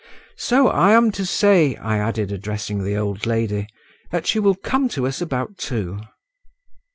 So I am to say," I added, addressing the old lady, "that you will come to us about two."